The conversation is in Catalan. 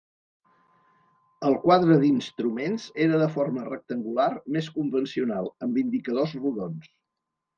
El quadre d'instruments era de forma rectangular més convencional, amb indicadors rodons.